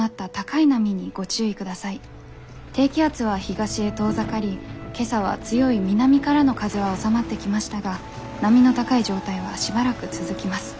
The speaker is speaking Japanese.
低気圧は東へ遠ざかり今朝は強い南からの風は収まってきましたが波の高い状態はしばらく続きます。